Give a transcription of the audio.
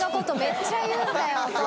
めっちゃ言うんだよお父さん。